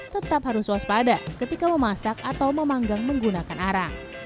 tetap harus waspada ketika memasak atau memanggang menggunakan arang